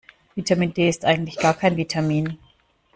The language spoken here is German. Vitamin D ist eigentlich gar kein Vitamin.